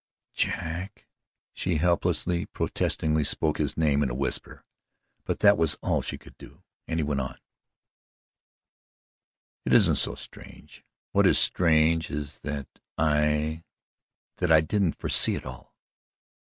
"Jack! " she helplessly, protestingly spoke his name in a whisper, but that was all she could do, and he went on: "It isn't so strange. What is strange is that I that I didn't foresee it all.